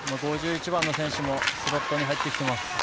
５１番の選手もスロットに入ってきています